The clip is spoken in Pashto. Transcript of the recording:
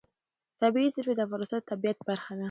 طبیعي زیرمې د افغانستان د طبیعت برخه ده.